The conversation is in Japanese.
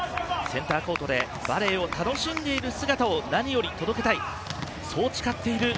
センターコートでバレーを楽しんでいる姿を何より届けたい。